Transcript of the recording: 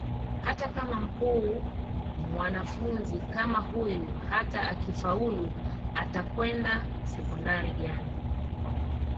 Hata kama mkuu mwanafunzi kama huyu hata akifaulu atakwenda Sekondari gani